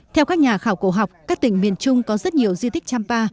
theo các nhà khảo cổ học các tỉnh miền trung có rất nhiều di tích champa